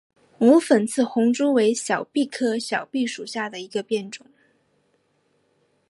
无粉刺红珠为小檗科小檗属下的一个变种。